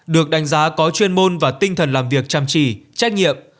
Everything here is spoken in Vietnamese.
được đánh giá có chuyên môn và tinh thần làm việc chăm chỉ trách nhiệm